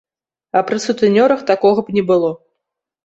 А пры сутэнёрах такога б не было.